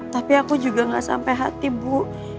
tapi aku juga gak sampai hati bu